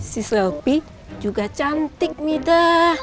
si selpi juga cantik mida